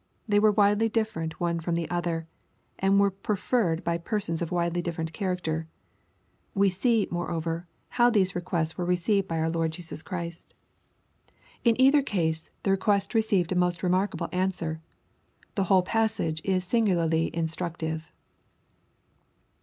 They were widely dfferent one from the other, and were preferred by persons of widely different character. We see, moreover, how these requests were received by our Lord Jesus Christ. In either case th« > 12* 274 EXPOSITOBT THOUGHTS, request received a most remarkable answer. The whole passage is singularly instructive.